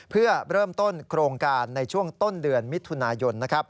เพื่อเริ่มต้นโครงการในช่วงต้นเดือนมิถุนายน